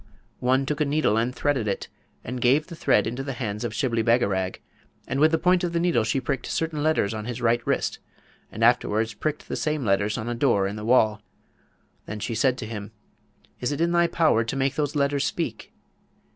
one took a needle and threaded it, and gave the thread into the hands of Shibli Bagarag, and with the point of the needle she pricked certain letters on his right wrist, and afterwards pricked the same letters on a door in the wall. Then she said to him, 'Is it in thy power to make those letters speak?'